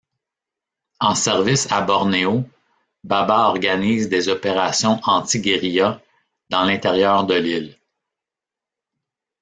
En service à Borneo, Baba organise des opérations anti-guérilla dans l'intérieur de l'île.